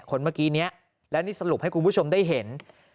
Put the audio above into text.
คนเมื่อกี้นี้และนี่สรุปให้คุณผู้ชมได้เห็น